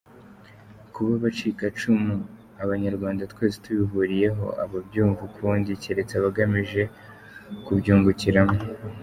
Kuba abacikacumu, Abanyarwanda twese tubihuriyeho; ababyumva ukundi keretse abagamije kubyungukiramo.